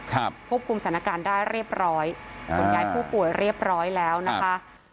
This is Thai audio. ควบคุมสถานการณ์ได้เรียบร้อยขนย้ายผู้ป่วยเรียบร้อยแล้วนะคะ